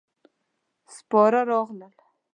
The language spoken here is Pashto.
سپاره راغلل.